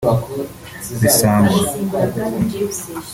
Bisangwa